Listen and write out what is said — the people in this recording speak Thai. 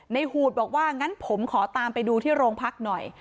หูดบอกว่างั้นผมขอตามไปดูที่โรงพักหน่อย